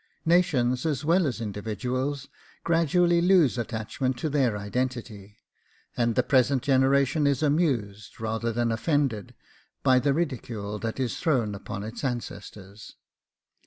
Nations, as well as individuals, gradually lose attachment to their identity, and the present generation is amused, rather than offended, by the ridicule that is thrown upon its ancestors.